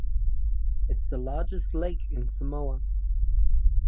It is the largest lake in Samoa.